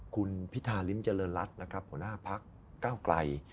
คุณพิธาริมเจริญรัฐนะครับหัวหน้าพักเก้าไกล